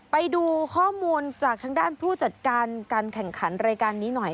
ไปดูข้อมูลจากทางด้านผู้จัดการการแข่งขันรายการนี้หน่อย